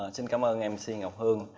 xin cảm ơn mc ngọc hương